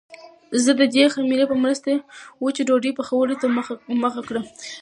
زه د دې خمیرې په مرسته وچې ډوډۍ پخولو ته مخه کړه.